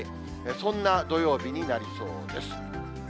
そんな土曜日になりそうです。